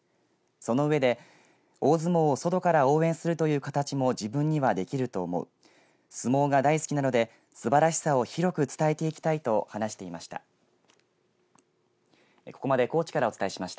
その上で大相撲を外から応援するという形も自分にはできると思う相撲が大好きなのですばらしさを広く伝えていきたいと話していました。